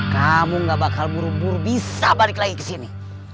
kamu gak bakal buru buru bisa balik lagi ke sini